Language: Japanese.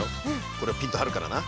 これをピンと張るからな。